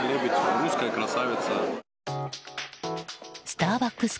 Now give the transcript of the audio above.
スターバックス